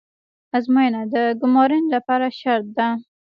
ازموینه د ګمارنې لپاره شرط ده